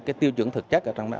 cái tiêu chuẩn thực chất ở trong đó